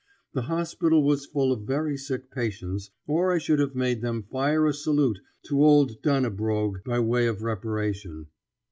The hospital was full of very sick patients, or I should have made them fire a salute to old Dannebrog by way of reparation.